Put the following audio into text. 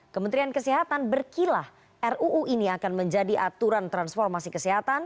kementerian kesehatan berkilah ruu ini akan menjadi aturan transformasi kesehatan